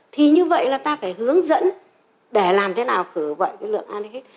thì như vậy là ta phải hướng dẫn để làm thế nào khử vậy cái lượng anti hít